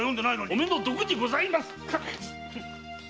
お目の毒にございます！